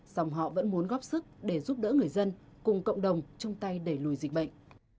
dòng họ vẫn muốn góp sức để giúp đỡ người dân cùng cộng đồng chung tay đẩy lùi dịch bệnh